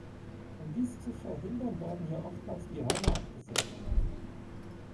Um dies zu verhindern, werden hier oftmals die Hörner abgesägt.